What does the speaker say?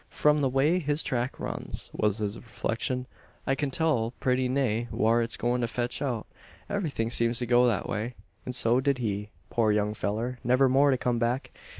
"From the way his track runs," was his reflection, "I kin tell pretty nigh whar it's goin' to fetch out. Everything seems to go that way; an so did he, poor young fellur never more to come back.